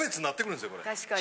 確かに。